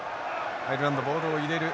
アイルランドボールを入れる。